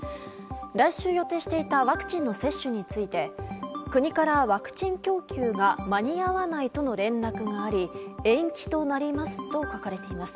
来週予定していたワクチンの接種について国からワクチン供給が間に合わないとの連絡があり延期となりますと書かれています。